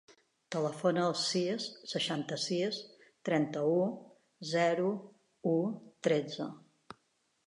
Telefona al sis, seixanta-sis, trenta-u, zero, u, tretze.